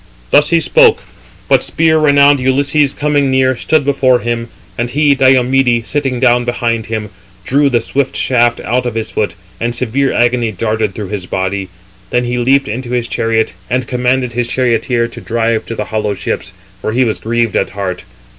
Thus he spoke; but spear renowned Ulysses coming near, stood before him, and he (Diomede) sitting down behind him, drew the swift shaft out of his foot, and severe agony darted through his body. Then he leaped into his chariot, and commanded his charioteer to drive to the hollow ships; for he was grieved at heart.